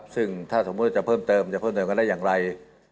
ซึ่งถ้าสมมุติจะเพิ่มเติมจะเพิ่มเติมกันได้อย่างไร